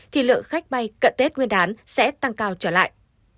thì lượng khách bay cận tết nguyên đán sẽ tăng cao trở lại